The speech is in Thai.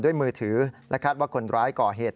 มือถือและคาดว่าคนร้ายก่อเหตุ